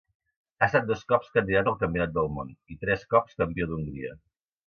Ha estat dos cops Candidat al Campionat del món, i tres cops Campió d'Hongria.